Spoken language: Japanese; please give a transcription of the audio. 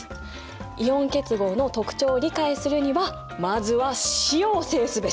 イオン結合の特徴を理解するにはまずは塩を制すべし！